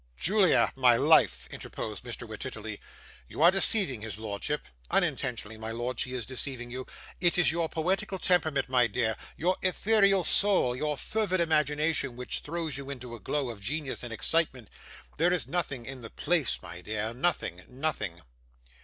'Julia, my life,' interposed Mr. Wititterly, 'you are deceiving his lordship unintentionally, my lord, she is deceiving you. It is your poetical temperament, my dear your ethereal soul your fervid imagination, which throws you into a glow of genius and excitement. There is nothing in the place, my dear nothing, nothing.